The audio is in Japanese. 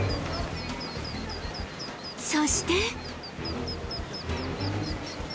そして